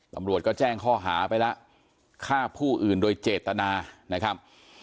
ตำรวจก็แจ้งข้อหาไปแล้วฆ่าผู้อื่นโดยเจตนานะครับ